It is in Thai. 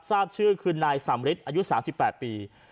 ทราบชื่อคือนายสำริทอายุ๓๘ปี